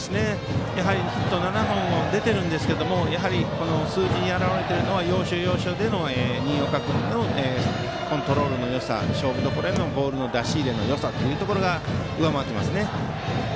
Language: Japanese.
ヒットは７本出ていますがこの数字に表れているのは要所要所での新岡君のコントロールのよさ勝負どころでのボールの出し入れのよさが上回っていますね。